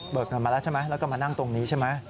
เงินมาแล้วใช่ไหมแล้วก็มานั่งตรงนี้ใช่ไหม